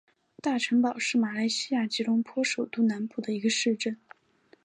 大城堡是马来西亚吉隆坡首都南部的一个市镇。